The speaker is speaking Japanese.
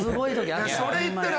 ・あら？